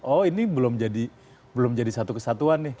oh ini belum jadi satu kesatuan nih